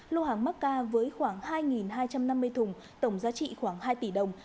lô hàng macca với khoảng hai hai trăm năm mươi thùng tổng giá trị khoảng hai tỷ đồng